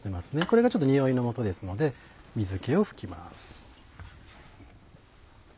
これがちょっとにおいのもとですので水気を拭きます。